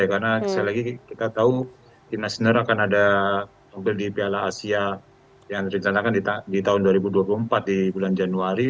karena kita tahu timnas sener akan ada di piala asia yang direncanakan di tahun dua ribu dua puluh empat di bulan januari